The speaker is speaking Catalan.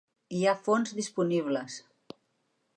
Hi ha fons disponibles.